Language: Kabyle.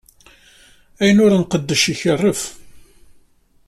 Ayen ur nqeddec ikarref.